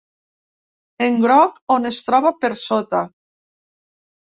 En groc, on es troba per sota.